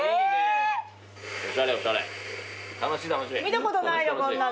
見たことないよこんなの。